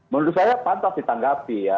menurut saya pantas ditanggapi ya